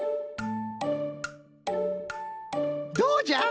どうじゃ？